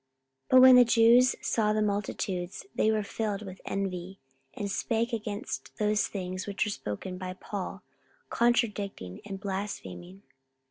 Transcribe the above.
44:013:045 But when the Jews saw the multitudes, they were filled with envy, and spake against those things which were spoken by Paul, contradicting and blaspheming.